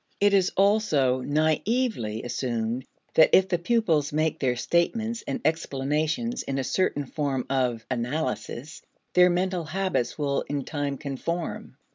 It is also naively assumed that if the pupils make their statements and explanations in a certain form of "analysis," their mental habits will in time conform.